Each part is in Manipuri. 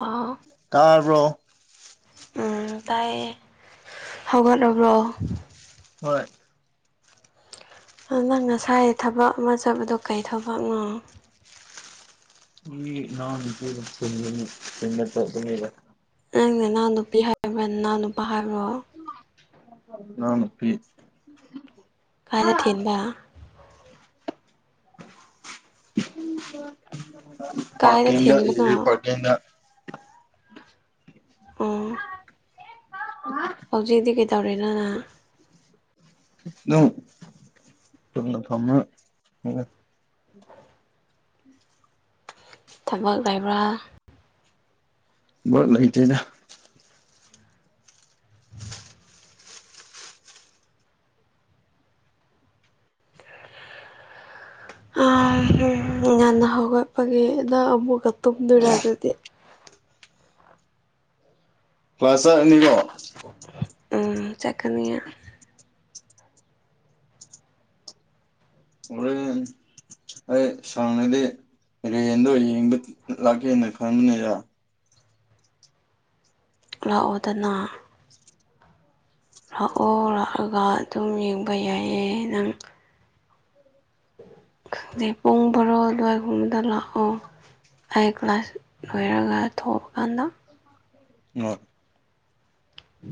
ꯑꯥ ꯇꯥꯔꯕ꯭ꯔꯣ ꯎꯝ ꯇꯥꯏꯌꯦ ꯍꯧꯒꯠꯂꯕ꯭ꯔꯣ ꯍꯣꯏ ꯑꯗꯨ ꯅꯪ ꯉꯁꯥꯏ ꯊꯕꯛ ꯑꯃ ꯆꯠꯄꯗꯣ ꯀꯩ ꯊꯕꯛꯅꯣ ꯅꯥꯟꯅꯤ ꯇꯗ ꯅꯪꯅꯦ ꯅꯅꯥꯎ ꯅꯨꯄꯤ ꯍꯥꯏꯕ꯭ꯔ ꯅꯍꯎ ꯅꯨꯄꯥ ꯍꯥꯏꯕꯣ ꯑ ꯐ ꯀꯥꯗ ꯊꯦꯟꯕ ꯀꯥꯏꯗ ꯐꯗ ꯊꯤꯟꯕꯅꯣ ꯄ ꯍꯧꯖꯤꯛꯤ ꯀꯩꯗꯧꯔꯦꯅ ꯑꯗꯨꯝ ꯊꯅ ꯊꯝꯅ ꯍ ꯊꯕꯛ ꯂꯩꯕ꯭ꯔꯥ ꯂꯩꯇꯦꯖ ꯉꯟꯅ ꯍꯧꯒꯠꯄꯒꯤꯗ ꯑꯃꯨꯛꯀ ꯇꯨꯝꯗꯣꯏꯔ ꯑꯗꯨꯗꯤ ꯋꯥ ꯆꯔꯅꯤꯀꯣ ꯎꯝ ꯆꯀꯅꯤ ꯑꯣꯔ ꯑꯩ ꯁꯥꯡꯅꯗꯤ ꯔꯦꯟꯗꯣ ꯌꯦꯡꯕ ꯂꯥꯛꯀꯦꯅ ꯈꯟꯕꯅꯦꯔ ꯂꯥꯛꯑꯣꯗꯅ ꯂꯥꯛꯑꯣ ꯂꯥꯛꯑꯒ ꯑꯗꯨꯝ ꯌꯦꯡꯕ ꯌꯥꯏꯌꯦ ꯅꯪ ꯈꯪꯖꯤꯦ ꯄꯨꯡ ꯕꯥꯔꯣ ꯑꯗꯨꯋꯥꯏꯒꯨꯝꯕꯗ ꯂꯥꯛꯑꯣ ꯑꯩ ꯀ꯭ꯂꯥꯁ ꯂꯣꯏꯔꯒ ꯊꯣꯛꯑ ꯀꯥꯟꯗ ꯑꯣ ꯎ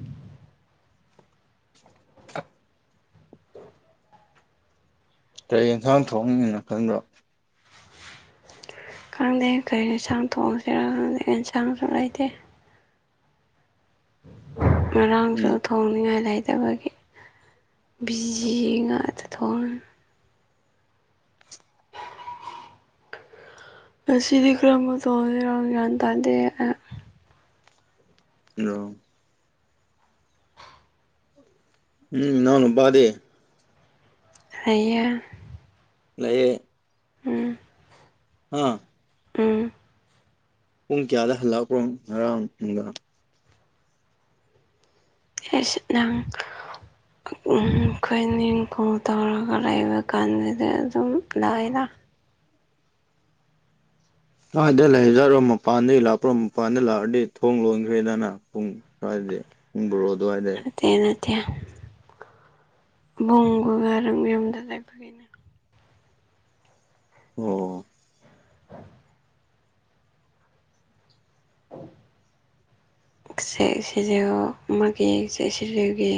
ꯀꯔ ꯌꯦꯟꯁꯥꯡ ꯊꯣꯛꯣꯡꯅꯤꯅ ꯈꯟꯕ꯭ꯔꯣ ꯈꯪꯗꯦ ꯀꯩ ꯌꯦꯟꯁꯥꯡ ꯊꯣꯡꯁꯤꯔꯪꯗꯦ ꯌꯦꯟꯁꯥꯡꯁꯨ ꯂꯩꯇꯦ ꯎꯝ ꯃꯔꯔꯥꯡꯁꯨꯗ ꯊꯣꯡꯅꯤꯉꯥꯏ ꯂꯩꯇꯕꯒꯤ ꯕꯤꯖꯤ ꯉꯥꯛꯇ ꯊꯣꯡ ꯑꯁꯤꯗꯤ ꯀꯔꯕꯨ ꯇꯣꯡꯔꯝꯒ꯭ꯌꯥꯟ ꯇꯥꯗꯦ ꯌꯥꯣ ꯎꯝ ꯅꯎꯅꯄꯥꯗꯦ ꯍꯥꯏꯩꯅ ꯂꯩꯌꯦ ꯎꯝ ꯎꯝ ꯎꯝ ꯄꯨꯡ ꯀꯌꯥꯗ ꯍꯜꯂꯛꯄ꯭ꯔꯣ ꯉꯔꯥꯡ ꯅꯨꯡ ꯅꯪ ꯈꯣꯏꯅꯤꯡꯈꯣ ꯇꯧꯔꯒ ꯂꯩꯕ ꯀꯥꯟꯗꯗ ꯑꯗꯨꯝ ꯂꯥꯏꯔ ꯀꯋꯥꯏꯗ ꯂꯩꯖꯠꯔꯣ ꯃꯄꯥꯟꯗꯒꯤ ꯂꯥꯛꯄ꯭ꯔꯣ ꯃꯄꯥꯟꯗꯩ ꯂꯥꯛꯑꯗꯤ ꯊꯣꯡ ꯂꯣꯟꯈ꯭ꯔꯦꯗꯅ ꯄꯨꯡ ꯍꯗꯦ ꯎꯕꯨ꯭ꯔꯣꯑꯣ ꯑꯗꯨ ꯑꯣꯏꯗꯦ ꯗꯦ ꯅꯠꯇꯦ ꯕꯨꯔꯝ ꯌꯨꯝꯗꯂꯥꯏꯕꯒꯅ ꯑꯣꯝ [inaudible] ꯦꯛ ꯁꯤꯖꯨ ꯑꯃꯒꯤꯦꯛ ꯁꯤꯖꯨꯒꯤ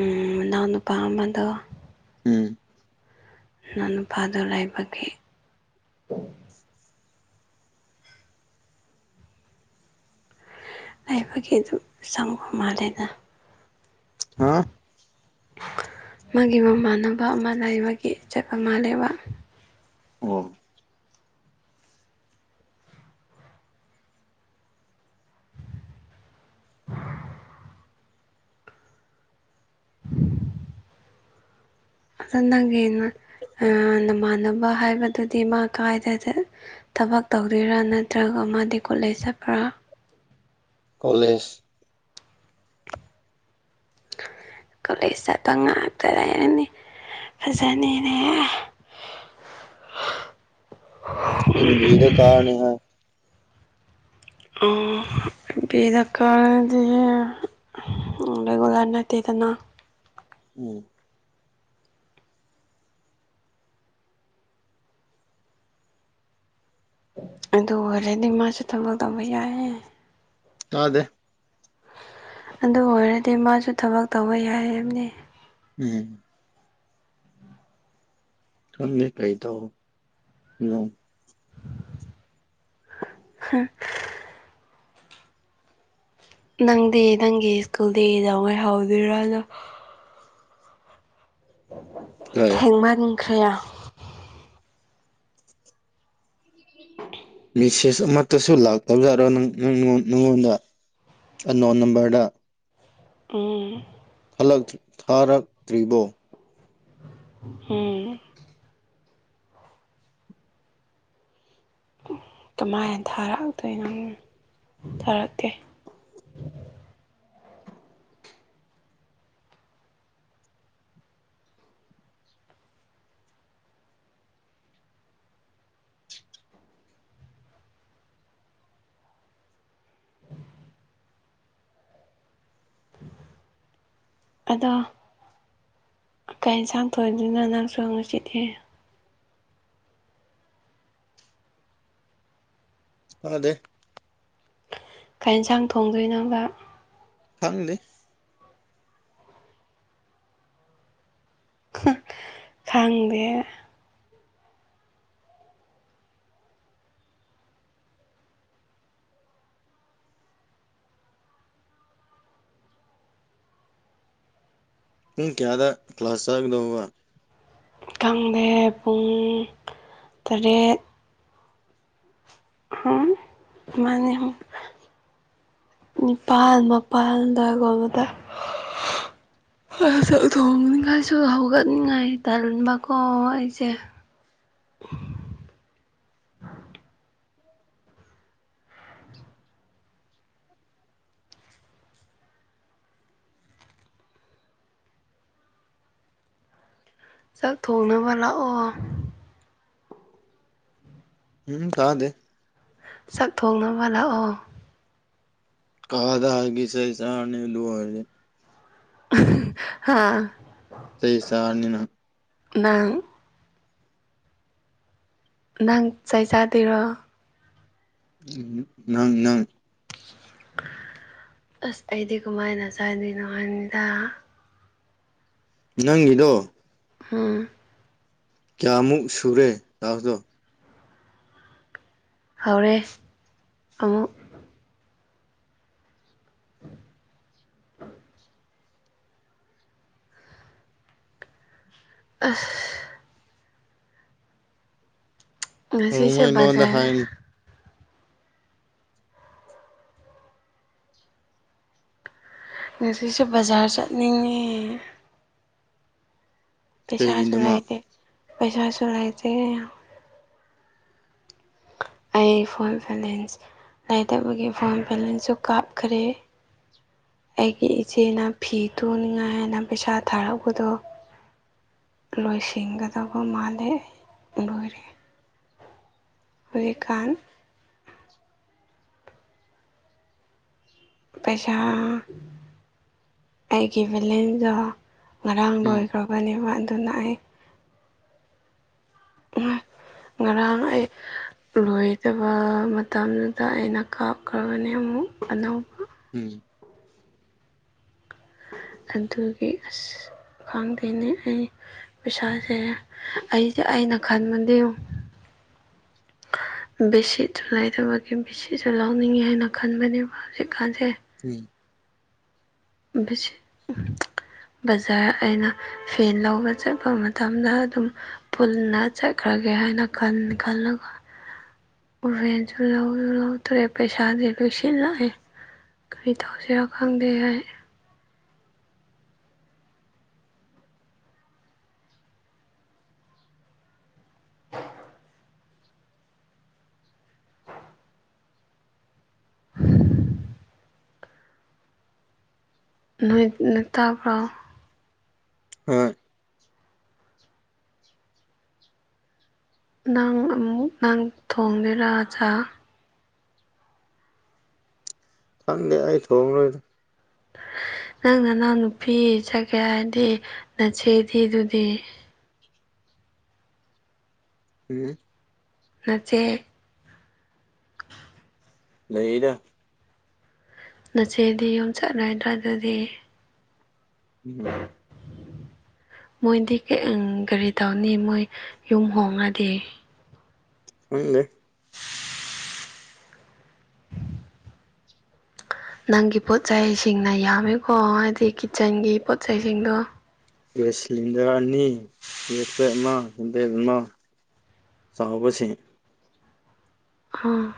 ꯎ ꯅꯅꯥꯎ ꯅꯨꯄꯥ ꯑꯃꯃꯗ ꯎꯝ ꯅ ꯅꯨꯄꯥꯗꯣ ꯂꯥꯏꯕꯛꯈꯤ ꯂꯩꯕꯒꯤ ꯑꯗꯨꯝ ꯆꯪꯕ ꯃꯥꯜꯂꯦꯗ ꯍꯥ ꯃꯥꯒꯤ ꯃꯃꯥꯟꯅꯕ ꯑꯃ ꯂꯩ ꯑꯃꯒꯤꯒꯤ ꯏꯖꯠ ꯑꯃꯜꯂꯕ ꯑꯣꯝ ꯑꯗꯣ ꯅꯪꯒꯤ ꯅꯃꯥꯟꯅꯕ ꯍꯥꯏꯕꯗꯨꯗꯤ ꯃꯥ ꯀꯥꯏꯗꯗ ꯊꯕꯛ ꯇꯧꯗꯣꯏꯔꯥ ꯅꯠꯇ꯭ꯔꯒ ꯃꯥꯗꯤ ꯀꯣꯂꯦꯖ ꯆꯠꯄ꯭ꯔꯥ ꯀꯣꯂꯦꯖ ꯀꯣꯂꯦꯖ ꯆꯠꯄ ꯉꯥꯛꯇꯔꯅꯦ ꯐꯖꯅꯤꯅꯦꯍꯦ [unintelligible] ꯏꯟꯕꯤꯗ ꯀꯥꯅꯤ ꯍꯥꯏ ꯑꯕꯤꯗ ꯀꯔꯗꯤ [unintelligible] ꯔꯤꯒꯨꯂꯔ ꯅꯠꯇꯦꯗꯅ ꯎꯝ ꯑꯗꯨ ꯑꯣꯏꯔꯗꯤ ꯃꯥꯁꯨ ꯊꯕꯛ ꯇꯧꯕ ꯌꯥꯏꯌꯦ ꯇꯥꯗꯦ ꯑꯗꯨ ꯑꯣꯏꯔꯗꯤ ꯃꯥꯁꯨ ꯊꯕꯛ ꯇꯧꯕ ꯌꯥꯏꯑꯝꯅꯤ ꯎꯝ ꯊꯝꯃꯦ ꯀꯩ ꯇ [inaudible] ꯍꯥꯝ [inaudible] ꯅꯪꯗꯤ ꯅꯪꯒꯤ ꯁ꯭ꯀꯨꯜꯗꯤ ꯀꯩꯗꯧ ꯉꯩ ꯍꯧꯗꯣꯏꯔꯅꯣ ꯍꯣꯏ ꯊꯦꯡꯃꯟꯈ꯭ꯔꯦ ꯃꯦꯁꯦꯁ ꯑꯃꯠꯇꯁꯨ ꯂꯥꯛꯇꯕꯖꯥꯔꯣ ꯅꯪꯉꯣꯟꯗ ꯑꯟ ꯅꯣꯟ ꯅꯝꯕꯔꯗ ꯎꯝ ꯊꯥꯔꯛꯇ꯭ꯔꯤꯕꯣ ꯑꯝ ꯀꯃꯥꯏꯅ ꯊꯥꯔꯛꯇꯣꯏꯅꯣ ꯊꯥꯔꯛꯇꯦ ꯎ [unintelligible] ꯑꯗꯣ ꯀꯩ ꯌꯦꯟꯁꯥꯡ ꯊꯣꯡꯗꯣꯏꯅꯤ ꯅꯪꯁꯨ ꯉꯁꯤꯗꯤ ꯇꯥꯗꯦ ꯀꯩ ꯌꯦꯟꯁꯥꯡ ꯊꯣꯡꯗꯣꯏꯅꯣꯕ ꯈꯪꯗꯦ ꯈꯪꯗꯦ ꯄꯨꯡ ꯀꯌꯥꯗ ꯀ꯭ꯂꯥꯁ ꯆꯪꯗꯧꯕꯔ ꯈꯪꯗꯦ ꯄꯨꯡ ꯇꯔꯦꯠ ꯍꯝ ꯃꯥꯅꯦ ꯅꯤꯄꯥꯜ ꯃꯄꯜ ꯗꯨꯋꯥꯢꯗ ꯊꯣꯡꯅꯤꯡꯉꯥꯏꯁꯨ ꯍꯧꯒꯠꯅꯤꯡꯉꯥꯏ ꯇꯟꯕꯀꯣ ꯑꯩꯁꯦ ꯆꯥꯛ ꯊꯣꯡꯅꯕ ꯂꯥꯛꯑꯣ ꯎꯝ ꯇꯥꯗꯦ ꯆꯥꯛ ꯊꯣꯡꯅꯕ ꯂꯥꯛꯑꯣ ꯀꯥꯏꯗꯒꯤ ꯆꯩ ꯆꯥꯔꯅꯤ ꯑꯗꯨ ꯑꯣꯏꯔꯗꯤ ꯍꯥ ꯆꯩ ꯆꯥꯔꯅꯤ ꯅꯪ ꯅꯪ ꯅꯪ ꯆꯩ ꯆꯥꯗꯣꯏꯔꯣ ꯅꯪ ꯅꯪ ꯑꯁ ꯑꯩꯗꯤ ꯀꯃꯥꯏꯅ ꯆꯥꯗꯣꯏꯅꯣ ꯍꯥꯏꯕꯅꯤꯗ ꯅꯪꯒꯤꯗꯣ ꯎꯝ ꯀꯌꯥꯃꯨꯛ ꯁꯨꯔꯦ ꯍꯧꯔꯦ ꯑꯃꯨꯛ ꯑꯁ ꯉꯁꯤꯁꯦ ꯃꯔꯣꯡꯃꯩꯂꯣꯟꯗ ꯕꯖꯥꯔ ꯍꯥꯏꯅꯤ ꯉꯁꯤꯁꯨ ꯕꯖꯥꯔ ꯆꯠꯅꯤꯡꯉꯦ ꯄꯩꯁꯥꯁꯨ ꯀꯩꯒꯤꯗꯃꯛ ꯂꯩꯇꯦ ꯄꯩꯁꯥꯁꯨ ꯂꯩꯇꯦ ꯑꯩ ꯐꯣꯟ ꯚꯦꯂꯦꯟꯁ ꯂꯩꯇꯕꯒꯤ ꯐꯣꯟ ꯚꯦꯂꯦꯟꯁꯁꯨ ꯀꯥꯞꯈ꯭ꯔꯦ ꯑꯩꯒꯤ ꯏꯆꯦꯅ ꯐꯤ ꯇꯨꯅꯤꯡꯉꯥꯏ ꯍꯥꯏꯅ ꯄꯩꯁꯥ ꯊꯥꯔꯛꯄꯗꯣ ꯂꯣꯏꯁꯤꯟꯒꯗꯕ ꯃꯥꯜꯂꯦ ꯑꯩ ꯂꯣꯏꯔꯦ ꯍꯧꯖꯤꯛꯀꯥꯟ ꯄꯩꯁꯥ ꯑꯩꯒꯤ ꯕꯦꯂꯦꯁ ꯉꯔꯥꯡ ꯎꯝ ꯂꯣꯏꯈ꯭ꯔꯕꯅꯦꯕ ꯑꯗꯨꯅ ꯑꯩ ꯎꯝ ꯉꯔꯥꯡ ꯑꯩ ꯂꯣꯏꯗꯕ ꯃꯇꯝꯗꯨꯗ ꯑꯩꯅ ꯀꯥꯞꯈ꯭ꯔꯕꯅꯦ ꯑꯃꯨꯛ ꯑꯅꯧꯕ ꯎꯝ ꯑꯗꯨꯒꯤ ꯑꯁ ꯈꯪꯗꯦꯅꯦ ꯑꯩ ꯄꯩꯁꯥꯁꯦ ꯑꯩꯁꯦ ꯑꯩꯅ ꯈꯟꯕꯗꯤ ꯕꯦꯁꯤꯁꯨ ꯂꯩꯗꯕꯒꯤ ꯕꯦꯁꯤꯁꯨ ꯂꯧꯅꯤꯡꯉꯦ ꯍꯥꯏꯅ ꯈꯟꯕꯅꯦꯕ ꯍꯧꯖꯤꯛꯀꯥꯟꯁꯦ [unintelligible] [unintelligible] ꯕꯖꯥꯔ ꯑꯩꯅ ꯐꯤ ꯂꯧꯕ ꯆꯠꯄ ꯃꯇꯝꯗ ꯑꯗꯨꯝ ꯄꯨꯟꯅ ꯆꯠꯈ꯭ꯔꯒꯦ ꯍꯥꯏꯅ ꯈꯟ ꯈꯜꯂꯒ [unintelligible] ꯂꯧꯁꯨ ꯂꯧꯗ꯭ꯔꯦ ꯄꯩꯁꯥꯗꯤ ꯂꯣꯏꯁꯤꯜꯂꯛꯑꯦ ꯀꯔꯤ ꯇꯧꯁꯤꯔꯣ ꯈꯪꯗꯦ ꯑꯩ ꯍꯝ ꯅꯣꯏ ꯇꯥꯕ꯭ꯔꯣ ꯍꯣꯏ ꯅꯪ ꯑꯃꯨꯛ ꯅꯪ ꯊꯣꯡꯒꯦꯔꯥ ꯆꯥꯛ ꯈꯪꯗꯦ ꯑꯩ ꯊꯣꯡꯉꯔꯣꯏꯗ ꯅꯪ ꯅꯅꯥꯎ ꯅꯨꯄꯤ ꯆꯠꯀꯦ ꯍꯥꯏꯗꯤ ꯅꯠꯆꯦꯗꯤ ꯑꯗꯨꯗꯤ ꯎꯝ ꯅꯆꯦ ꯂꯩꯌꯦꯗ ꯅꯆꯦꯗꯤ ꯌꯨꯝ ꯆꯠꯂꯣꯏꯗ꯭ꯔ ꯑꯗꯨꯗꯤ ꯎꯝ ꯃꯣꯏꯗꯤ ꯀꯩ ꯑꯪ ꯀꯔꯤ ꯇꯧꯅꯤ ꯃꯣꯏ ꯌꯨꯝ ꯍꯣꯡꯉꯗꯤ [unintelligible] ꯅꯪꯒꯤ ꯄꯣꯠꯆꯩꯁꯤꯡꯅ ꯌꯥꯝꯃꯤꯀꯣ ꯍꯥꯏꯗꯤ ꯀꯤꯠꯆꯟꯒꯤ ꯄꯣꯠꯆꯩꯁꯤꯡꯗꯣ ꯒꯦꯁ ꯁꯤꯂꯤꯟꯗꯔ ꯑꯅꯤ [unintelligible] ꯑꯃ ꯍꯦꯟꯕꯦꯛ ꯑꯃ ꯆꯥꯎꯕꯁꯤ ꯎꯝ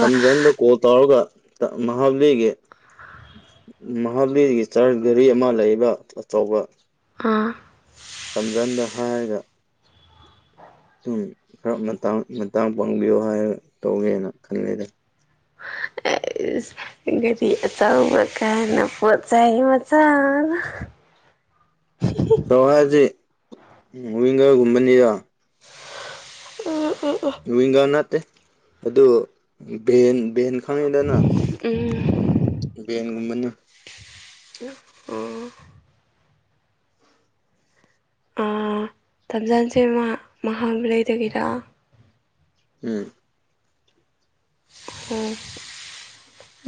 [unintelligible] ꯀꯣꯜ ꯇꯧꯔꯒ ꯃꯍꯥꯕꯂꯤꯒꯤ ꯃꯍꯥꯕꯂꯤꯒꯤ ꯆꯔꯆ ꯒꯔꯤ ꯑꯃ ꯂꯩꯕ ꯑꯆꯧꯕ ꯎꯝ ꯈꯝꯖꯟꯗ ꯍꯥꯏꯔꯒ ꯑꯗꯨꯝ ꯈꯔ ꯃꯇꯥꯡ ꯃꯇꯥꯡ ꯄꯥꯡꯕꯤꯌꯨ ꯍꯥꯏꯔ ꯇꯧꯌꯥꯏꯅ ꯈꯜꯂꯤꯗ ꯏꯁ ꯒꯥꯔꯤ ꯑꯆꯥꯎꯕ ꯀꯥꯏꯅ ꯄꯣꯠꯆꯥꯏ ꯃꯆꯥꯅ ꯆꯥꯎꯑꯦ ꯍꯥꯏꯕꯗꯤ ꯋꯤꯡꯒꯔ ꯒꯨꯝꯕꯅꯤꯗ ꯎꯝ ꯎꯝ ꯎꯝ ꯋꯤꯡꯒꯔ ꯅꯠꯇꯦ ꯑꯗꯨ ꯚꯦꯟ ꯚꯦꯟ ꯈꯪꯉꯤꯗꯅ ꯎꯝ ꯕꯦꯟꯒꯨꯝꯕꯅꯦ ꯑꯣ ꯑꯣ ꯇꯝꯖꯥꯟꯁꯦꯃꯥ ꯃꯍꯥꯕꯂꯤꯗꯒꯤꯔꯥ ꯎꯝ ꯑꯣ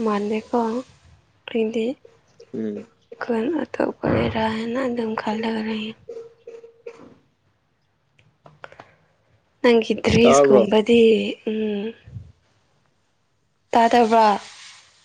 ꯃꯥꯟꯗꯦꯀꯣ ꯑꯩꯗꯤ ꯎꯝ ꯀꯟꯇ ꯄ ꯂꯩꯔꯥ ꯍ ꯅ ꯙꯝ ꯈꯜ ꯂꯒꯔ ꯅꯪꯗ꯭ꯔꯦ ꯇꯥꯕ꯭ꯔꯣ ꯏꯁꯀꯨꯝꯕꯗꯤ ꯎꯝ ꯇꯥꯗꯕ꯭ꯔꯥ